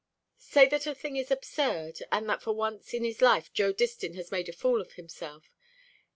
"Say that the thing is absurd, and that for once in his life Joe Distin has made a fool of himself.